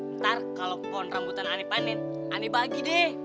ntar kalau kebohon rambutan aneh panen aneh bagi deh